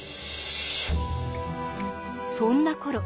そんなころ